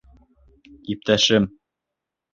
— Иптәшем.